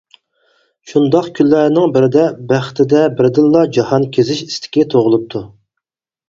شۇنداق كۈنلەرنىڭ بىرىدە بەختىدە بىردىنلا جاھان كېزىش ئىستىكى تۇغۇلۇپتۇ.